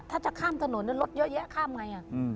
ถ้าจะข้ามถนนรถเยอะแยะข้ามไง